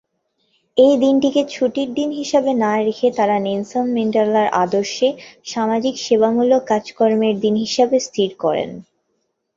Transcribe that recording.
এই দিনটিকে ছুটির দিন হিসেবে না রেখে তারা নেলসন ম্যান্ডেলার আদর্শে সামাজিক সেবামূলক কাজকর্মের দিন হিসেবে স্থির করেন।